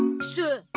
そう。